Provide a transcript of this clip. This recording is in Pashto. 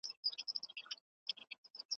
هسي نه چي میندي بوري ناوي کونډي